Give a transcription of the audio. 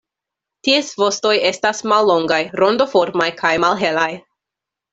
Ties vostoj estas mallongaj, rondoformaj kaj malhelaj.